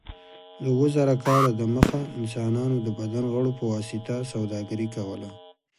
د اوه زره کاله دمخه انسانانو د بدن غړو په واسطه سوداګري کوله.